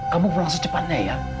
kamu pulang secepatnya ya